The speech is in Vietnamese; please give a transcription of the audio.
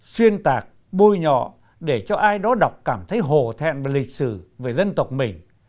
xuyên tạc bôi nhọ để cho ai đó đọc cảm thấy hồ thẹn lịch sử về dân tộc mình